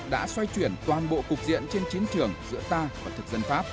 đã xoay chuyển toàn bộ cục diện trên chiến trường giữa ta và thực dân pháp